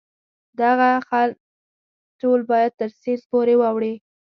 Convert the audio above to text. دغه خلک ټول باید تر سیند پورې واوړي.